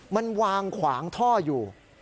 มันวางขวางท่ออยู่